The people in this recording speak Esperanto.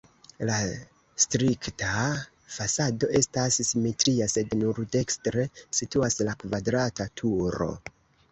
La strikta fasado estas simetria, sed nur dekstre situas la kvadrata turo.